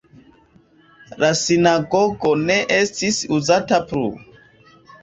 La sinagogo ne estis uzata plu.